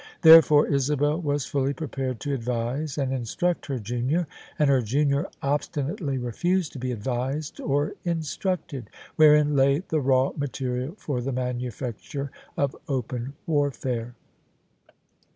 Therefore, Isabel was fully prepared to advise and instruct her junior: and her junior obstinately refused to be advised or instructed: wherein lay the raw material for the manufacture of open warfare.